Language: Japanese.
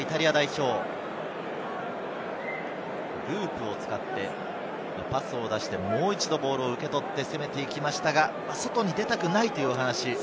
イタリア代表、パスを出して、もう一度ボールを受け取って攻めていきましたが、外に出たくないという話。